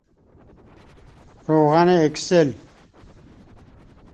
روغن اکسل